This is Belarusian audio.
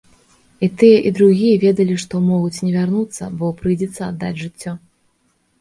І тыя, і другія ведалі, што могуць не вярнуцца, бо прыйдзецца аддаць жыццё.